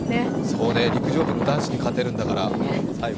そうね、陸上部の男子に勝てるんだから。